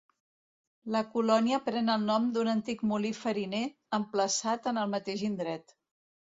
La colònia pren el nom d'un antic molí fariner, emplaçat en el mateix indret.